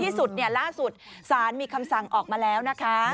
ที่สุดล่าสุดสารมีคำสั่งออกมาแล้วนะคะ